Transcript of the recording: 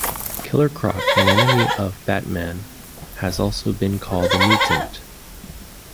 Killer Croc, an enemy of Batman, has also been called a mutant.